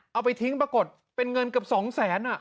เอาไปทิ้งปรากฏเป็นเงินเกือบ๒๐๐๐๐๐บาทอ่ะ